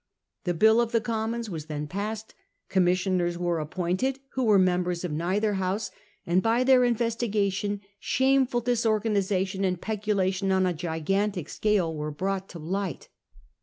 The bill of the Commons was then passed. Commissioners were appointed who were members of neither House, and by their investigation shameful disorganisation and pecu lation on a gigantic scale were brought to light.